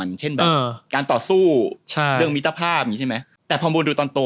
อย่างเช่นแบบเออการต่อสู้ใช่เรื่องมิตรภาพใช่ไหมแต่พอบนดูตอนโต